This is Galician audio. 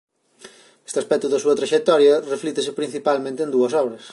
Este aspecto da súa traxectoria reflíctese principalmente en dúas obras.